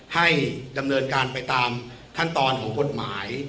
ให้ดำเนินการไปตามขั้นตอนของกฎหมาย